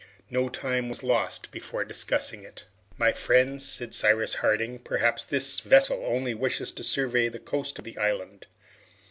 No time was lost before discussing it. "My friends," said Cyrus Harding, "perhaps this vessel only wishes to survey the coast of the island.